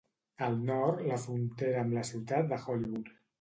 Al nord fa frontera amb la ciutat de Hollywood.